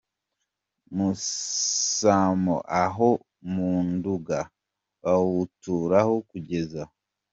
Musamo aho mu Nduga; bawuturaho kugeza